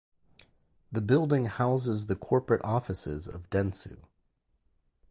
The building houses the corporate offices of Dentsu.